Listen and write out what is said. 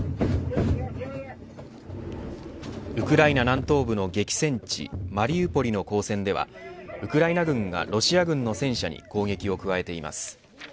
ウクライナ南東部の激戦地マリウポリの交戦ではウクライナ軍が、ロシア軍の戦車に攻撃を加えています。